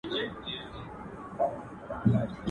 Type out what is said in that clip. پاچاهان د يوه بل سيمو ته غله وه.